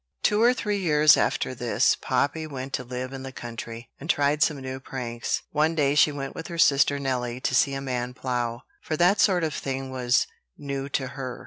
Two or three years after this, Poppy went to live in the country, and tried some new pranks. One day she went with her sister Nelly to see a man plough, for that sort of thing was new to her.